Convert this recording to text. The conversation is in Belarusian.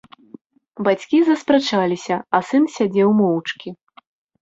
Бацькі заспрачаліся, а сын сядзеў моўчкі.